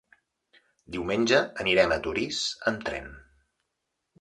Diumenge anirem a Torís amb tren.